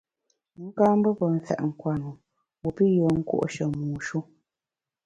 Wu ka mbe pe mfèt nkwenu wu pi yùen nkùo’she mu shu.